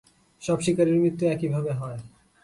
সব শিকারীর মৃত্যু একইভাবে হয়।